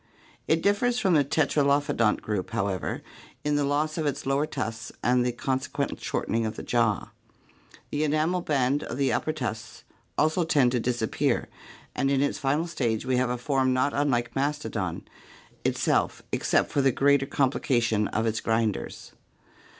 It differs from the tetralophodont group, however, in the loss of its lower tusks and the consequent shortening of the jaw. The enamel band of the upper tusks also tends to disappear and in its final stage we have a form not unlike Mastodon itself except for the greater complication of its grinders.